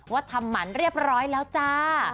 ทำหมันเรียบร้อยแล้วจ้า